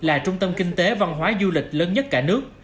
là trung tâm kinh tế văn hóa du lịch lớn nhất cả nước